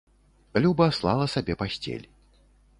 Люба слала сабе пасцель.